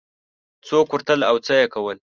څوک ورتلل او څه یې کول